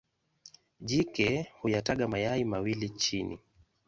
Jike huyataga mayai mawili chini.